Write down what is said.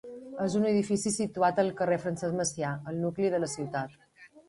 És un edifici situat al carrer Francesc Macià, al nucli de la ciutat.